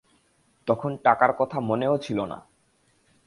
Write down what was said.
তখন টাকার কথা মনেও ছিল না।